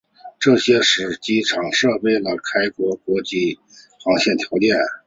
这些都使得机场具备了开办国际航线的条件。